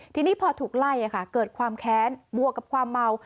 ทีนี้พอถูกไล่เกิดความแค้นบวกกับความเมา